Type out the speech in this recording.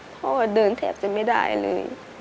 พ่อเดินแทบจะไม่ได้เลย